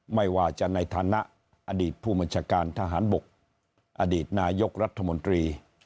ไม่ว่าจะในฐานะอดีตผู้บัญชาการทหารบกอดีตนายกรัฐมนตรี